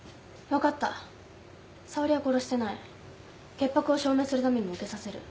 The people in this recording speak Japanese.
潔白を証明するためにも受けさせる。